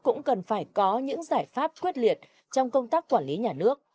cũng cần phải có những giải pháp quyết liệt trong công tác quản lý nhà nước